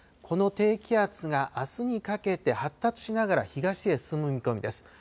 この低気圧があすにかけて発達しながら東へ進む見込みです。